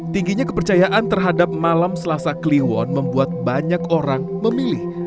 tingginya kepercayaan terhadap malam selasa kliwon membuat banyak orang memilih